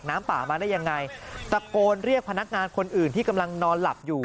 น้ำป่ามาได้ยังไงตะโกนเรียกพนักงานคนอื่นที่กำลังนอนหลับอยู่